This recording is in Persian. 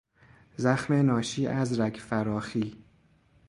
زخم ناشی از رگ فراخی